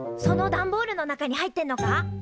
その段ボールの中に入ってんのか？